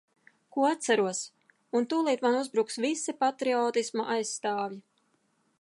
Ko atceros... Un tūlīt man uzbruks visi patriotisma aizstāvji.